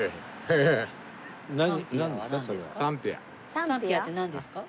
サンピアってなんですか？